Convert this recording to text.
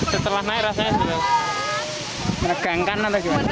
setelah naik rasanya sudah menegangkan atau gimana